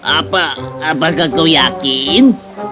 apakah kau yakin